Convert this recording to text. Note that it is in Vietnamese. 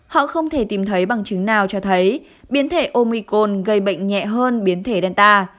họ không thể tìm thấy bằng chứng nào cho thấy biến thể omicon gây bệnh nhẹ hơn biến thể delta